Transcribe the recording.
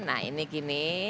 nah ini gini